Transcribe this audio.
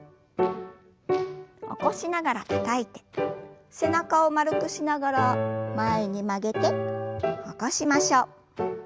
起こしながらたたいて背中を丸くしながら前に曲げて起こしましょう。